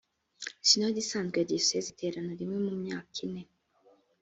sinode isanzwe ya diyoseze iterana rimwe mu myaka ine